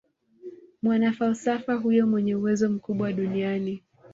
mwanafalsafa huyo mwenye uwezo mkubwa duniani